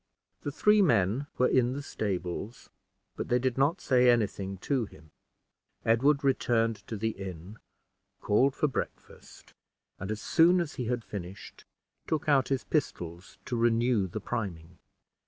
The three men were in the stables, but they did not say any thing to him. Edward returned to the inn, called for breakfast, and as soon as he had finished, took out his pistols to renew the priming.